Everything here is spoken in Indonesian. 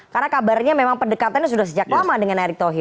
karena kabarnya memang pendekatannya sudah sejak lama dengan erick thohir